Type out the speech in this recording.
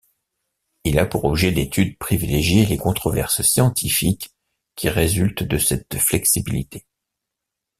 Il a pour objet d'étude privilégié les controverses scientifiques qui résultent de cette flexibilité.